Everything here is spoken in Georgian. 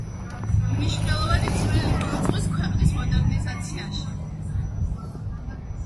მნიშვნელოვანი წვლილი მიუძღვის ქვეყნის მოდერნიზაციაში.